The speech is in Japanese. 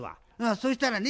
そしたらね